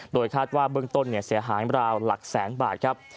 โดยคาดว่าเบื้องต้นเสียหายราวหลักแสนบาทครับ